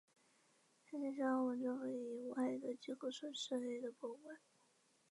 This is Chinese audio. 下列是由澳门政府以外的机构所设立的博物馆。